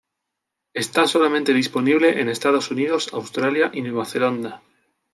Está solamente disponible en Estados Unidos, Australia y Nueva Zelanda.